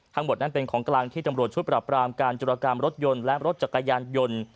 ทั้งหมดนั้นเป็นของกลางที่ตำรวจชุดปรับรามการจุรกรรมรถยนต์และรถจักรยานยนต์